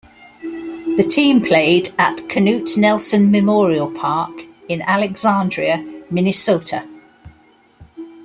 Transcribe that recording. The team played at Knute Nelson Memorial Park in Alexandria, Minnesota.